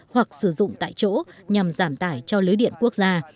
hoặc sử dụng tại chỗ nhằm giảm tải cho lưới điện quốc gia